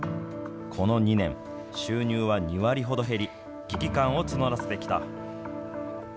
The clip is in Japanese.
この２年、収入は２割ほど減り、危機感を募らせてきた。